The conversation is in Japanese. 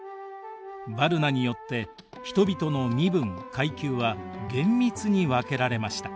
ヴァルナによって人々の身分階級は厳密に分けられました。